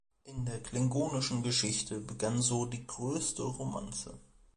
In der klingonischen Geschichte begann so die größte Romanze.